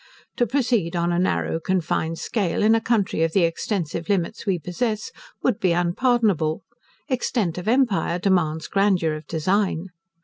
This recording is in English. To proceed on a narrow, confined scale, in a country of the extensive limits we possess, would be unpardonable: extent of empire demands grandeur of design.